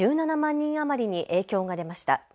人余りに影響が出ました。